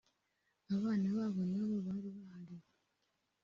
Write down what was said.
abana babo nabo bari bahari